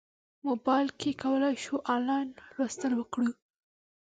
موبایل کې کولی شو انلاین لوستل وکړو.